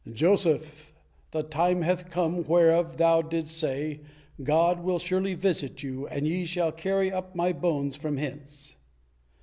"Joseph, the time hath come whereof thou didst say, 'God will surely visit you, and ye shall carry up my bones from hence.'"